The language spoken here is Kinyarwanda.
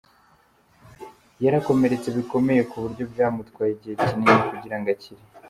Yarakomeretse bikomeye ku buryo byamutwaye igihe kinini kugirango akire.